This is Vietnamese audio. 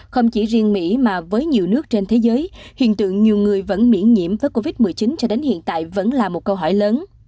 không chỉ riêng mỹ mà với nhiều nước trên thế giới hiện tượng nhiều người vẫn miễn nhiễm với covid một mươi chín cho đến hiện tại vẫn là một câu hỏi lớn